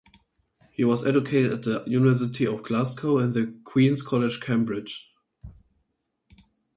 He was educated at the University of Glasgow and the Queens' College, Cambridge.